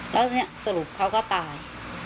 แล้วสรุปเขาก็ตาย